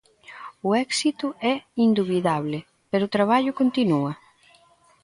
O éxito é indubidable, pero o traballo continúa.